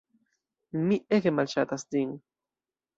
Mi ege malŝatas ĝin.